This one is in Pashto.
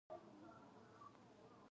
غافل هغه دی چې ویده وي